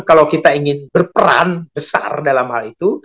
kalau kita ingin berperan besar dalam hal itu